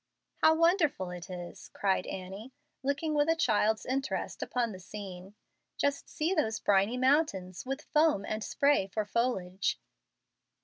"How wonderful it is!" cried Annie, looking with a child's interest upon the scene. "Just see those briny mountains, with foam and spray for foliage.